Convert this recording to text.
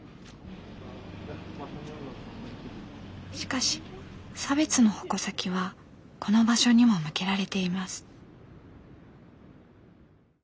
しかし差別の矛先はこの場所にも向けられています。